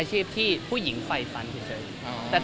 ครับครับครับครับครับครับครับครับครับครับครับครับครับครับครับ